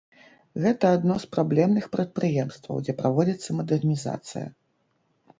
Гэта адно з праблемных прадпрыемстваў, дзе праводзіцца мадэрнізацыя.